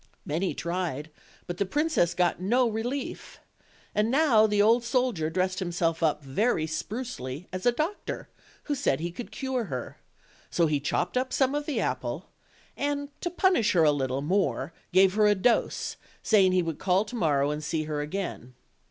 Many tried, but the princess got no relief. And now the old soldier dressed himself up very sprucely as a doctor, who said he could cure her; so he cnopped up some of the apple, and to punish her a little more gave her a dose, saying he would call to morrow and see her again.